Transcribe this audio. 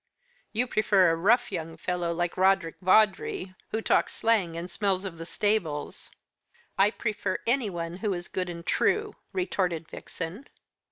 "You prefer a rough young fellow, like Roderick Vawdrey, who talks slang, and smells of the stables." "I prefer anyone who is good and true," retorted Vixen.